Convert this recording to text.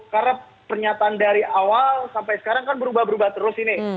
karena pernyataan dari awal sampai sekarang kan berubah berubah terus ini